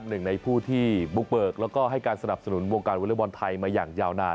หนึ่งในผู้ที่บุกเบิกแล้วก็ให้การสนับสนุนวงการวอเล็กบอลไทยมาอย่างยาวนาน